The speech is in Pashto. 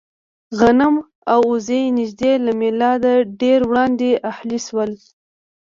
غنم او اوزې نږدې له مېلاده ډېر وړاندې اهلي شول.